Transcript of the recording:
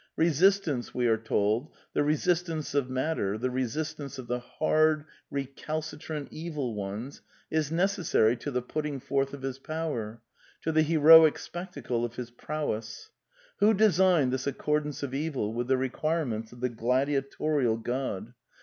'* Resistance," we are told, the resistance of matter, the resistance of the hard, recalcitrant Evil Ones, is "necessary" to the putting forth of his power, to the heroic spectacle of his prowess. Who designed this accordance of evil with the requirements of the gladiatorial God